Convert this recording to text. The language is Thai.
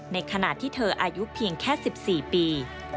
ในขณะที่เธออายุเพียงแค่๑๔ปี